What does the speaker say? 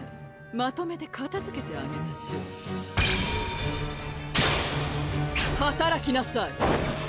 まとめてかたづけてあげましょうはたらきなさい！